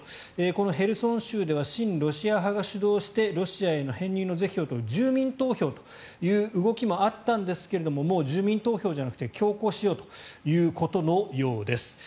このヘルソン州では親ロシア派が主導してロシアへの編入の是非を問う住民投票という動きもあったんですがもう住民投票じゃなくて強行しようということのようです。